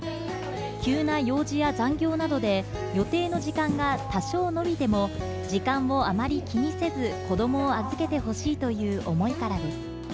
急な用事や残業などで予定の時間が多少延びても、時間をあまり気にせず、子どもを預けてほしいという思いからです。